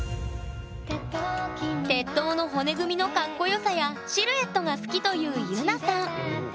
鉄塔の骨組みのかっこよさやシルエットが好きというゆなさん。